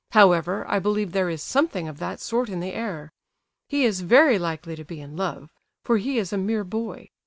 "However, I believe there is something of that sort in the air; he is very likely to be in love, for he is a mere boy.